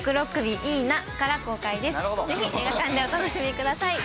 ぜひ映画館でお楽しみください。